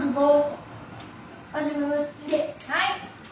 はい。